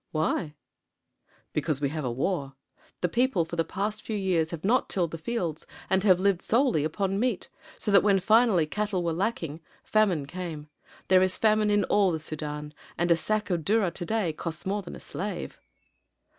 "Why?" "Because we have a war. The people for the past few years have not tilled the fields and have lived solely upon meat; so when finally cattle were lacking, famine came. There is famine in all the Sudân, and a sack of durra today costs more than a slave."